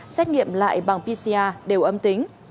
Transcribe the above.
xét nghiệm lại bằng pcr đều âm tính